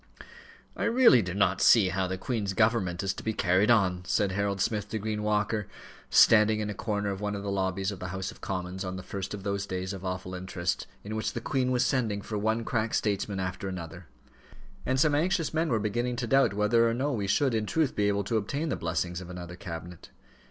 "I really do not see how the Queen's government is to be carried on," said Harold Smith to Green Walker, standing in a corner of one of the lobbies of the House of Commons on the first of those days of awful interest, in which the Queen was sending for one crack statesman after another; and some anxious men were beginning to doubt whether or no we should, in truth, be able to obtain the blessing of another cabinet.